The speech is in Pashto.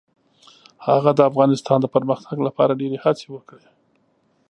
هغه د افغانستان د پرمختګ لپاره ډیرې هڅې وکړې.